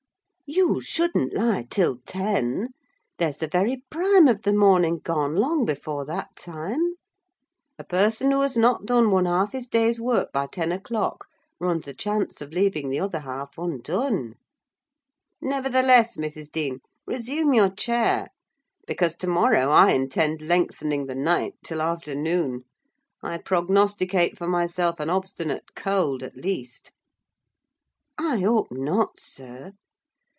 "You shouldn't lie till ten. There's the very prime of the morning gone long before that time. A person who has not done one half his day's work by ten o'clock, runs a chance of leaving the other half undone." "Nevertheless, Mrs. Dean, resume your chair; because to morrow I intend lengthening the night till afternoon. I prognosticate for myself an obstinate cold, at least." "I hope not, sir.